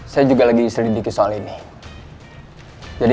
saya juga lagi selidiki soal ini